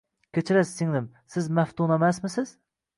Kechirasiz singlim, siz Maftunamasmisiz